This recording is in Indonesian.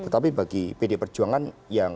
tapi bagi pdi perjuangan yang